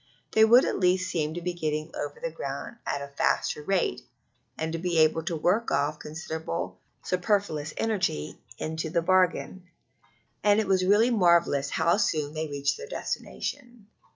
They would at least seem to be getting over the ground at a faster rate, and be able to work off considerable superfluous energy into the bargain. And it was really marvellous how soon they reached their destination.